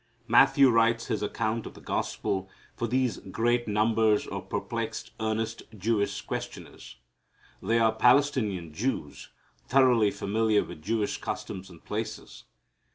Matthew writes his account of the gospel for these great numbers of perplexed, earnest Jewish questioners. They are Palestinian Jews, thoroughly familiar with Jewish customs and places.